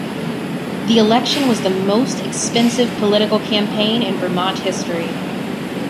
The election was the most expensive political campaign in Vermont history.